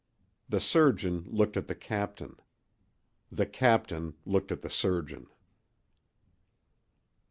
The surgeon looked at the captain. The captain looked at the surgeon.